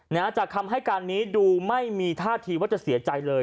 เนี้ยอาจจากคำให้การนี้ดูไม่มีธาตุที่ว่าจะเสียใจเลย